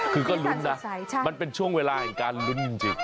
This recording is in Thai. คือก็ลุ้นนะมันเป็นช่วงเวลาแห่งการลุ้นจริง